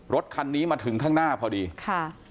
รถคันนี้มาถึงข้างหน้าพอดีค่ะ